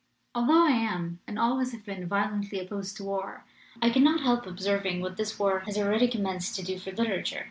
"Although I am and always have been violently opposed to war, I cannot help observing what this war has already commenced to do for literature.